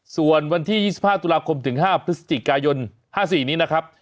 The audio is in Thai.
ส่วนวันที่๒๕ตุลาคมตึง๕พค๑๙๙๔นี้นะครับ